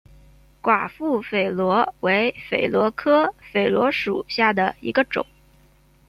寡妇榧螺为榧螺科榧螺属下的一个种。